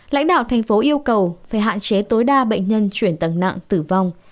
lãnh đạo thành phố yêu cầu phải hạn chế tối đa bệnh nhân chuyển tầng nặng tử vong